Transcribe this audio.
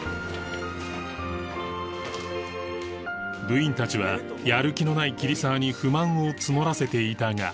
部員たちはやる気のない桐沢に不満を募らせていたが